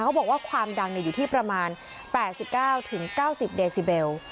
เขาบอกว่าความดังอยู่ที่ประมาณ๘๙๙๐เดซิเบล